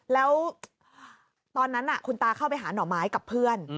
แล้วตอนนั้นคุณตาเข้าไปหาหน่อไม้กับเพื่อน